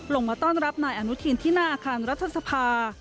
ลงมาต้อนรับนายอนุทินที่หน้าอาคารรัฐสภา